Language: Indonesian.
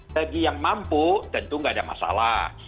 bagi yang mampu tentu nggak ada masalah